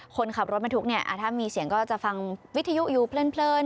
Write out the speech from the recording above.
คนขับรถบรรทุกเนี่ยถ้ามีเสียงก็จะฟังวิทยุอยู่เพลิน